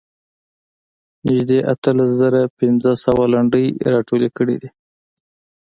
نږدې اتلس زره پنځه سوه لنډۍ راټولې کړې دي.